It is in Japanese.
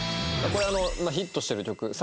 これあのヒットしてる曲。